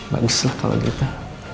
baguslah kalau gitu